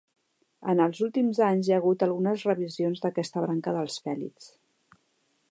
En els últims anys hi ha hagut algunes revisions d'aquesta branca dels fèlids.